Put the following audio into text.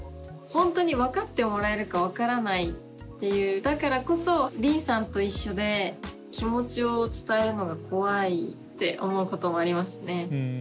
本当に分かってもらえるか分からないっていうだからこそりんさんと一緒で気持ちを伝えるのが怖いって思うこともありますね。